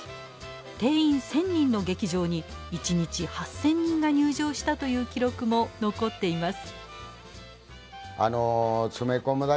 定員１，０００人の劇場に一日８，０００人が入場したという記録も残っています。